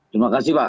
terima kasih pak